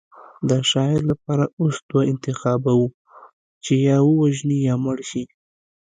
د شاعر لپاره اوس دوه انتخابه وو چې یا ووژني یا مړ شي